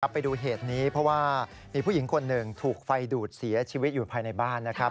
ไปดูเหตุนี้เพราะว่ามีผู้หญิงคนหนึ่งถูกไฟดูดเสียชีวิตอยู่ภายในบ้านนะครับ